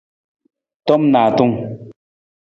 Tom naatung.